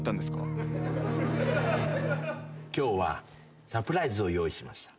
今日はサプライズを用意しました。